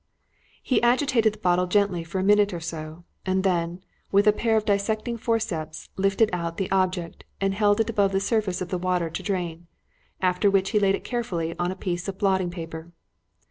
He agitated the bottle gently for a minute or so, and then, with a pair of dissecting forceps, lifted out the object and held it above the surface of the water to drain, after which he laid it carefully on a piece of blotting paper.